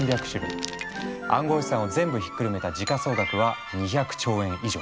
暗号資産を全部ひっくるめた時価総額は２００兆円以上。